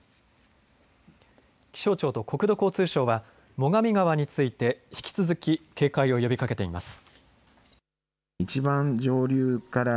気象庁と国土交通省は最上川について引き続き警戒を呼びかけています。